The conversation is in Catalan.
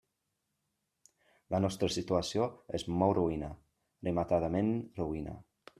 La nostra situació és molt roïna, rematadament roïna.